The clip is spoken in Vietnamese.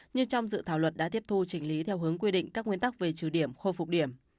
như trong dự thảo luật đã tiếp thu trình lý theo hướng quy định các nguyên tắc về trừ điểm khô phục điểm